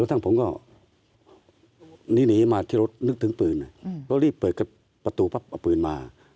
ที่รถนึกถึงปืนเรารีบเปิดประตูเอาปืนมา